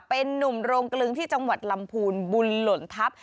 เป็นนุ่มโรงกลึงที่จังหวัดลำพูนบุญหล่นทัพ